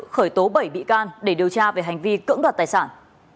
khởi tố bảy bị can để điều tra về hành vi cưỡng đoạt tài sản